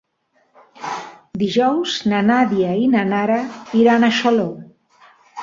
Dijous na Nàdia i na Nara iran a Xaló.